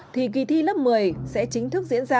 thì kỳ thi lớp một mươi sẽ chính thức diễn ra